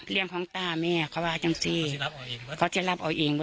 เรื่องของตาแม่เขาว่าจังสิเขาจะรับเอาเอง